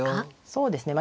そうですね。